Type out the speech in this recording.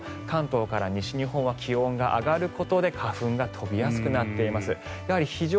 関東から西日本は気温が上がることで花粉が飛びやすくなっています。